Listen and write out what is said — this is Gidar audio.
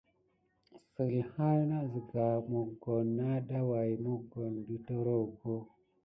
Zila na hakuya siga adada way mokone di toryo.